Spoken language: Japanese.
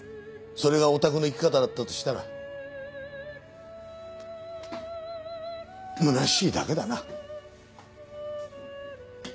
それがオタクの生き方だったとしたらむなしいだけだな。